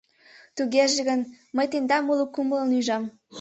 — Тугеже гын, мый тендам уло кумылын ӱжам.